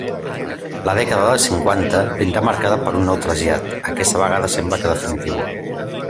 La dècada dels cinquanta vindrà marcada per un nou trasllat, aquesta vegada sembla que definitiu.